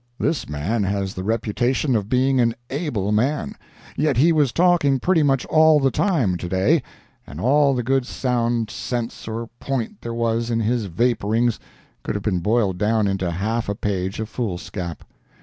This man has the reputation of being an "able" man; yet he was talking pretty much all the time to day, and all the good sound sense or point there was in his vaporings could have been boiled down into half a page of foolscap.